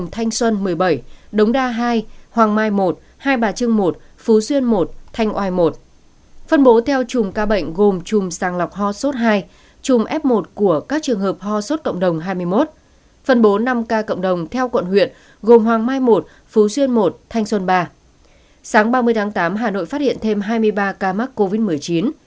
tháng ba mươi tháng tám hà nội phát hiện thêm hai mươi ba ca mắc covid một mươi chín